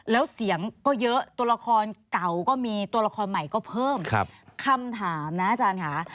แล้วเสียงก็เยอะตัวละครเก่าก็มีตัวละครใหม่ก็เพิ่มคำถามนะอาจารย์ค่ะ